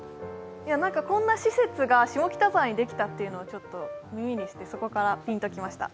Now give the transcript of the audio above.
こんな施設が下北沢にできたっていうのを耳にしてそこからピンときました。